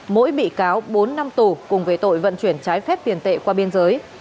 mỗi bị cáo bốn năm tù cùng về tội vận chuyển trái phép tiền tệ qua biên giới